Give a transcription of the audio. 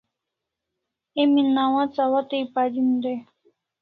Emi nawats awatai parin dai